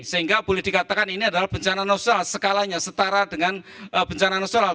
sehingga boleh dikatakan ini adalah bencana nasional skalanya setara dengan bencana nasional